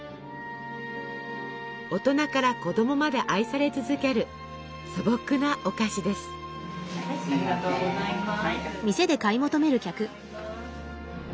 大人から子供まで愛され続ける素朴なお菓子です。